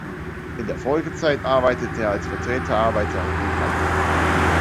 In der Folgezeit arbeitete er als Vertreter, Arbeiter und Buchhalter.